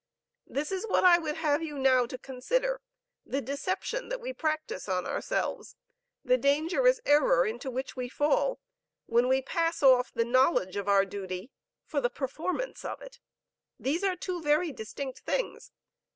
This is what I would have you now to consider, the deception that we practise on ourselves, the dangerous error into which we fall, when we pass off the knowledge of our duty for the performance of it. These are two very distinct things.